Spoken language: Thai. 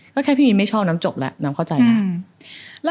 ก็แค่พี่มีนไม่ชอบน้ำจบแล้วน้ำเข้าใจแล้ว